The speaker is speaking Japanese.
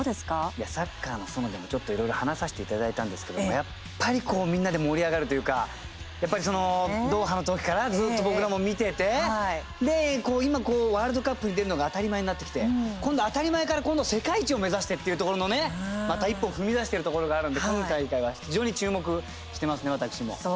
いや「サッカーの園」でもいろいろ話させていただいたんですけれどもみんなで盛り上がるというかやっぱりドーハの時からずっと僕らも見てて今ワールドカップに出るのが当たり前になってきて今度、当たり前から世界一を目指してっていうところのねまた１歩踏み出しているところがあるんで、今大会は非常に注目してますね、私も。